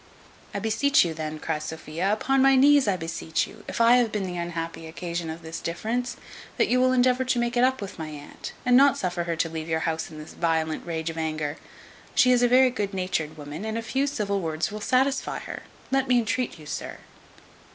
"I beseech you then," cries Sophia, "upon my knees I beseech you, if I have been the unhappy occasion of this difference, that you will endeavour to make it up with my aunt, and not suffer her to leave your house in this violent rage of anger: she is a very good natured woman, and a few civil words will satisfy her. Let me entreat you, sir."